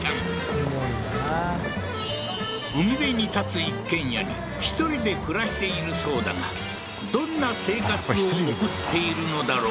すごいな海辺に建つ一軒家に１人で暮らしているそうだがどんな生活を送っているのだろう？